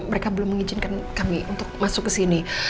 mereka belum mengizinkan kami untuk masuk ke sini